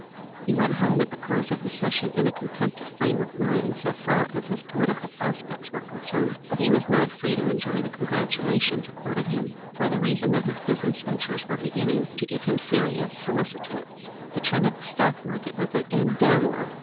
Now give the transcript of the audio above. He went home at the close of the session in a contented frame of mind so far as his political prospects were concerned, but he was not free to enjoy the congratulations accorded him for the reason that his business ventures were beginning to give him serious solicitude. The trend of the stock market was again downward.